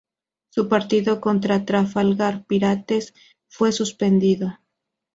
Su partido contra Trafalgar Pirates fue suspendido.